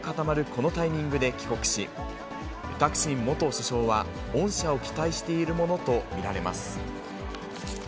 このタイミングで帰国し、タクシン元首相は恩赦を期待しているものと見られます。